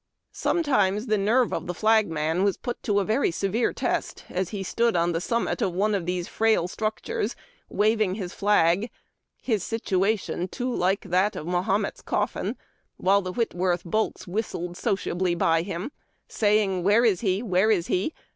Sometimes the nerve of the flagman was }nit to a very severe test, as he stood on the summit of one of these frail structures waving his flag, his situation too like that of Ma homet's coffin, while the Wliit wortli bolts whistled sociably by him, saying, " Where is he ? Where is he